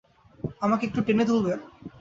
আমাকে একটু টেনে তুলবেন।